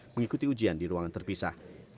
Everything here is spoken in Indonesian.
mengikuti ujian di ruangan terpisah